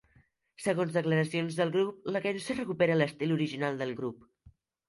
Segons declaracions del grup, la cançó recupera l'estil original del grup.